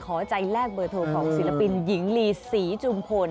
ขอใจแลกเบอร์โทรของศิลปินหญิงลีศรีจุมพล